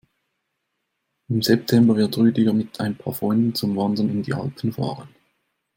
Im September wird Rüdiger mit ein paar Freunden zum Wandern in die Alpen fahren.